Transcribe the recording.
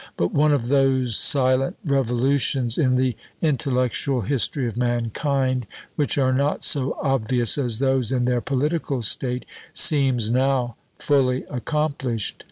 But one of those silent revolutions in the intellectual history of mankind, which are not so obvious as those in their political state, seems now fully accomplished.